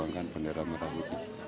pengibaran bendera ini berjalan dengan